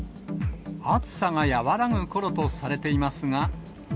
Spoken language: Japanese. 暑さが和らぐころとされていますが。